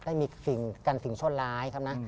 ได้มีสิ่งกันสิ่งชั่วร้ายครับนะ